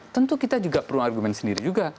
tentu kita juga perlu argumen sendiri juga